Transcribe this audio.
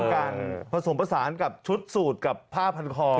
อ๋อเป็นการผสมผสานกับชุดสูตรกับผ้าพันคล